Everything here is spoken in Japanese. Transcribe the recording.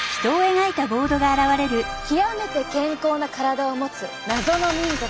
極めて健康な体を持つ謎の民族。